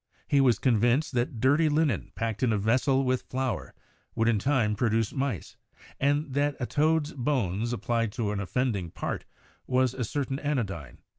He was convinced that dirty linen packed in a yessel with flour would in time produce mice, and that a toad's bones applied to an offending part was a certain anodyne.